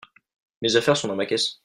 mes affaires sont dans ma caisse.